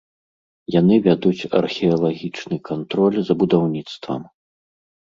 Яны вядуць археалагічны кантроль за будаўніцтвам.